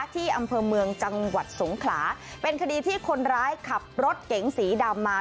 ที่อำเภอเมืองจังหวัดสงขลาเป็นคดีที่คนร้ายขับรถเก๋งสีดำมา